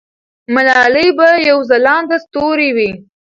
ملالۍ به یو ځلانده ستوری وي.